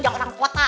jangan orang kota